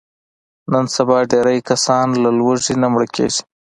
نن سبا ډېری کسان له لوږې نه مړه کېږي.